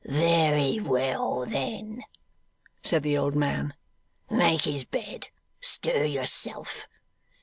'Very well, then,' said the old man; 'make his bed. Stir yourself.